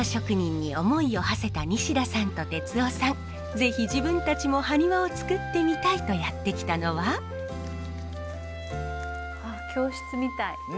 是非自分たちもハニワを作ってみたいとやって来たのは。あっ教室みたいフフフ。